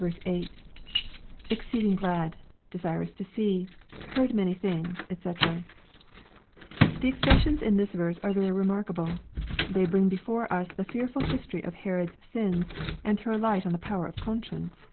8. — [Exceeding glad..,desirous to see...heard many things, ^c] The expressions in this verse are very remarkable. They bring before us the fearful history of Herod's sins, and throw light on the power of conscience.